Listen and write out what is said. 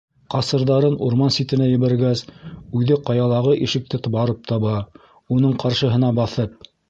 Ҡасырҙарын урман ситенә ебәргәс, үҙе ҡаялағы ишекте барып таба, уның ҡаршыһына баҫып: